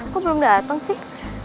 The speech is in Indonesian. kok belum dateng sih